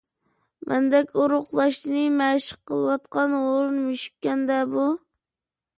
مەندەك ئورۇقلاشنى مەشىق قىلىۋاتقان ھۇرۇن مۈشۈككەندە بۇ؟